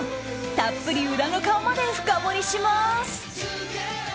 たっぷり裏の顔まで深掘りします。